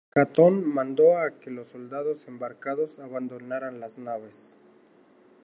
Pasado un tiempo prudencial, Catón mandó que los soldados embarcados abandonaran las naves.